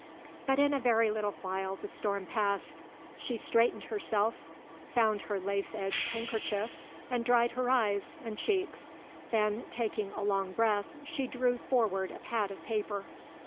But in a very little while the storm passed. She straightened herself, found her lace edged handkerchief and dried her eyes and cheeks; then, taking a long breath, she drew forward a pad of paper.